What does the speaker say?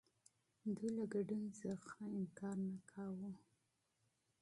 دوی له ګډون څخه انکار نه کاوه.